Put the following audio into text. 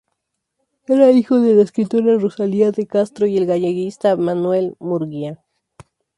Era hijo de la escritora Rosalía de Castro y el galleguista Manuel Murguía.